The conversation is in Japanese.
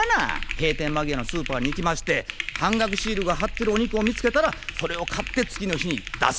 閉店間際のスーパーに行きまして半額シールが貼ってるお肉を見つけたらそれを買って次の日に出す。